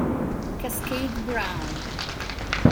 Cascade Brown